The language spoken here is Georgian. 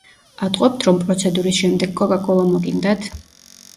ატყობთ, რომ პროცედურის შემდეგ კოკა-კოლა მოგინდათ?